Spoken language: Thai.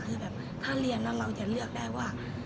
คือแบบถ้าเรียนแล้วเราจะเลือกได้ว่า